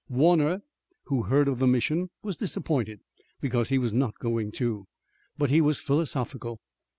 Warner, who heard of the mission, was disappointed because he was not going too. But he was philosophical.